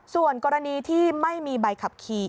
ส่วนกรณีที่ไม่มีใบขับขี่